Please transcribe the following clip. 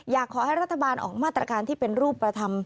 อยากให้รัฐบาลออกมาตรการที่เป็นรูปธรรม